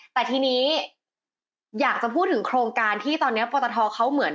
แต่ทีนี้อยากจะพูดถึงโครงการที่ตอนนี้ปตทเขาเหมือน